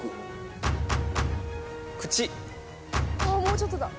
もうちょっとだ。